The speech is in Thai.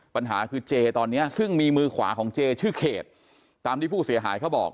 ปัญหาคือเจตอนนี้ซึ่งมีมือขวาของเจชื่อเขตตามที่ผู้เสียหายเขาบอก